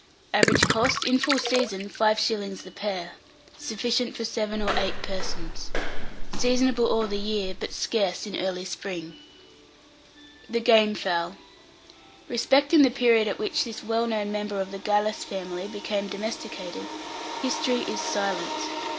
Average cost, in full season, 5s. the pair. Sufficient for 7 or 8 persons. Seasonable all the year, but scarce in early spring. [Illustration: GAME FOWLS.] THE GAME FOWL. Respecting the period at which this well known member of the Gallus family became domesticated, history is silent.